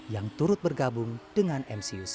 yang turut bergabung dengan mcuc